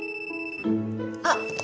あっ。